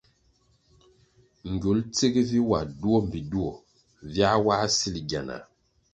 Gywul tsig vi wa duo mbpi duo, viā wā sil gyanah,